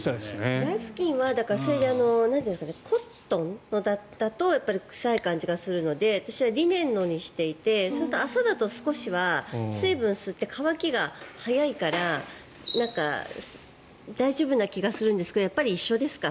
台布巾はコットンのだとやっぱり臭い感じがするので私はリネンのにしていてそうすると麻だと少しは水分を吸って乾きが速いから大丈夫な気がするんですけどやっぱり一緒ですか。